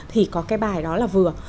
thì có cái bài đó là vừa